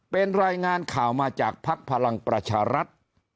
เป็นรายงานข่าวมาจากภักดิ์พลังประชารัฐ